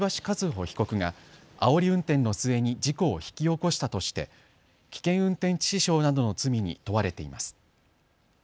和歩被告があおり運転の末に事故を引き起こしたとして危険運転致死傷などの罪に問われています。